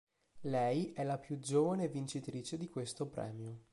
Lei è la più giovane vincitrice di questo premio.